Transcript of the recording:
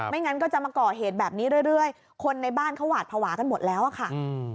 งั้นก็จะมาก่อเหตุแบบนี้เรื่อยคนในบ้านเขาหวาดภาวะกันหมดแล้วอะค่ะ